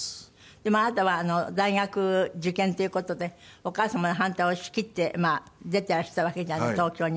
でもあなたは大学受験っていう事でお母様の反対を押し切ってまあ出てらしたわけじゃない東京に。